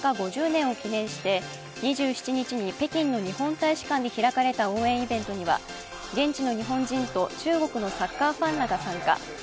５０年を記念して、２７日に北京の日本大使館で開かれた応援イベントには、現地の日本人と中国のサッカーファンらが参加。